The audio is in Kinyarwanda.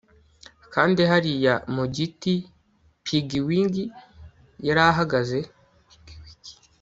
kandi hariya mu giti piggy-wig yarahagaze